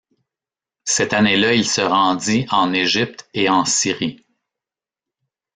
Cette année-là il se rendit en Égypte et en Syrie.